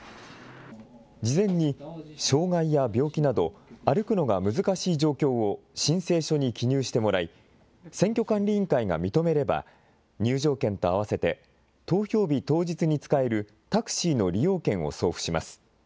事前に障害や病気など、歩くのが難しい状況を申請書に記入してもらい、選挙管理委員会が認めれば、入場券と合わせて、投票日当日に使えるタクシーの利用券を送付します。